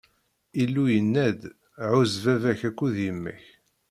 Illu yenna-d: Ɛuzz baba-k akked yemma-k.